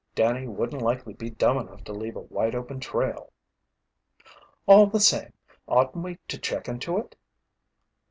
Danny wouldn't likely be dumb enough to leave a wide open trail." "All the same, oughtn't we to check into it?"